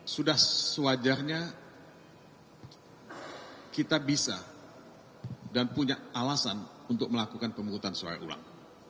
sudah sewajarnya kita bisa dan punya alasan untuk melakukan pemungutan suara ulang